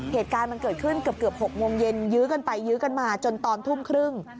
เหตุการณ์มันเกิดขึ้นเกือบ๖โมงเย็นยื้อกันไปยื้อกันมาจนตอนทุ่มครึ่ง